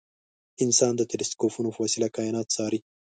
انسان د تلسکوپونو په وسیله کاینات څاري.